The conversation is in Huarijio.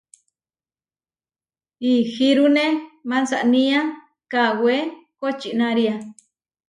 Ihirúne mansanía kawé kočinária.